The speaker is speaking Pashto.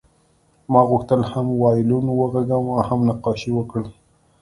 ما غوښتل هم وایلون وغږوم او هم نقاشي وکړم